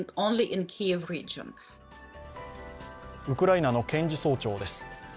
ウクライナの検事総長です。